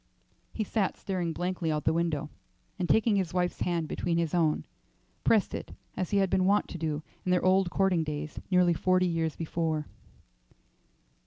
He sat staring blankly out at the window, and taking his wife's hand between his own, pressed it as he had been wont to do in their old courting days nearly forty years before.